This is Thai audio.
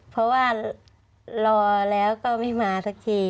เพราะว่ารอแล้วก็ไม่มาสักที